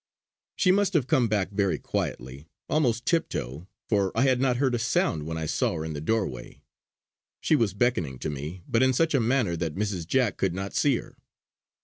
She must have come back very quietly, almost tip toe, for I had not heard a sound when I saw her in the doorway. She was beckoning to me, but in such a manner that Mrs. Jack could not see her.